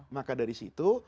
maka dari situ